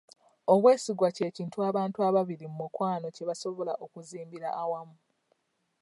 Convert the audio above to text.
Obwesigwa ky'ekintu abantu ababiri mu mukwano kye basobola okuzimbira awamu.